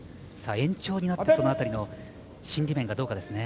延長になってその辺りの心理面がどうかですね。